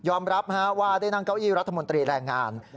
รับว่าได้นั่งเก้าอี้รัฐมนตรีแรงงาน